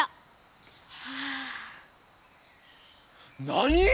なに⁉